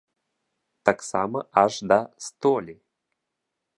Таксама аж да столі.